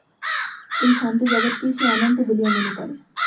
এই সান্ত জগৎকেই সে অনন্ত বলিয়া মনে করে।